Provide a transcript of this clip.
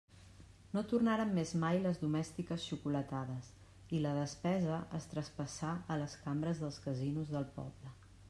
No tornaren més mai les domèstiques xocolatades, i la despesa es traspassà a les cambres dels casinos del poble.